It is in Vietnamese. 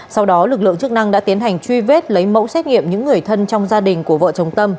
sau đó lực lượng chức năng đã tiến hành truy vết lấy mẫu xét nghiệm những người thân trong gia đình của vợ chồng tâm